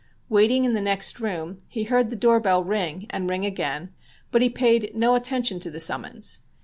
Waiting in the next room he heard the door bell ring, and ring again, but he paid no attention to the summons.